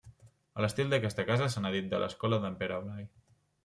A l'estil d'aquesta casa se n'ha dit de l'Escola d'en Pere Blai.